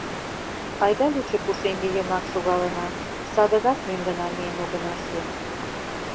— Айда лучо пушеҥге йымак шогалына, садыгак мӧҥгына миен огына шу.